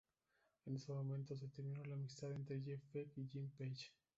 En ese momento se terminó la amistad entre "Jeff Beck" y Jimmy Page.